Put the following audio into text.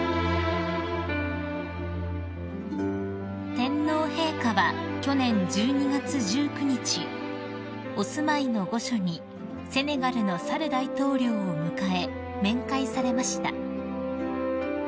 ［天皇陛下は去年１２月１９日お住まいの御所にセネガルのサル大統領を迎え面会されました］